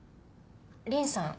凛さん